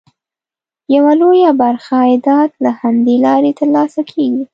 یوه لویه برخه عایدات له همدې لارې ترلاسه کېږي.